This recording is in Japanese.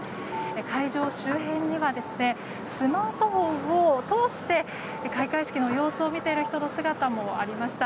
会場周辺にはスマートフォンを通して開会式の様子を見ている人の姿もありました。